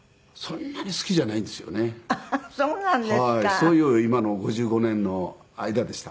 そういう今の５５年の間でした。